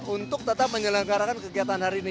untuk tetap menyelenggarakan kegiatan hari ini